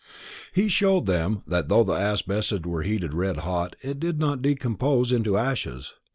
He showed them that though the asbestos were heated red hot it did not decompose into ashes.